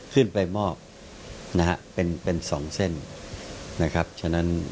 ขึ้นไปมอบนะฮะเป็นเป็นสองเส้นนะครับฉะนั้น